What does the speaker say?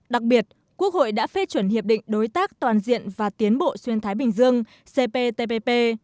đặc biệt quốc hội đã phê chuẩn hiệp định đối tác toàn diện và tiến bộ xuyên thái bình dương cptpp